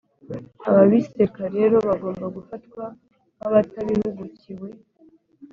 Ababiseka rero bagomba gufatwa nk’abatabihugukiwe